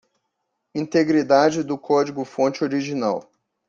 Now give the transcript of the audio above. Integridade do código fonte original.